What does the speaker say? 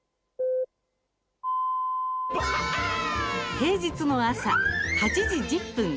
平日の朝、８時１０分。